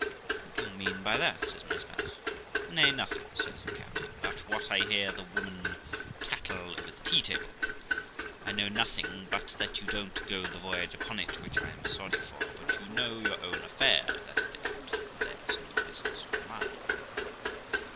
' What do you mean by that?' says my spouse. 'Nay, nothing', says the captain; 'but what I hear the women tattle over the tea table. I know nothing, but that you don't go the voyage upon it, which I am sorry for ; but you know your own affairs', added the captain, 'that's no business of mine.'